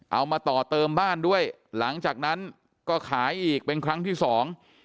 เอามาต่อเติมบ้านด้วยหลังจากนั้นก็ขายอีกเป็นครั้งที่สอง